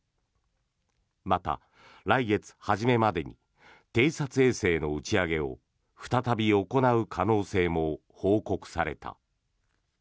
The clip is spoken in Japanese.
また、来月初めまでに偵察衛星の打ち上げを再び行う可能性も報告された。